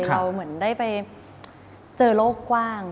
เหมือนได้ไปเจอโลกกว้าง